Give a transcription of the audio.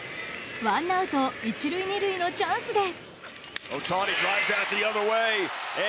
ワンアウト１塁２塁のチャンスで。